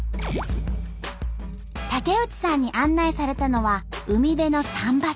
竹内さんに案内されたのは海辺の桟橋。